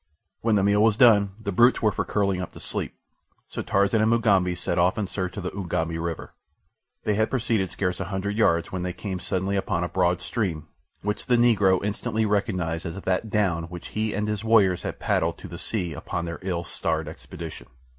When the meal was done the brutes were for curling up to sleep, so Tarzan and Mugambi set off in search of the Ugambi River. They had proceeded scarce a hundred yards when they came suddenly upon a broad stream, which the Negro instantly recognized as that down which he and his warriors had paddled to the sea upon their ill starred expedition.